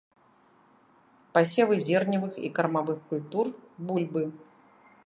Пасевы зерневых і кармавых культур, бульбы.